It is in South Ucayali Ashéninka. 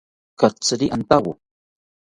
Katshiri antawo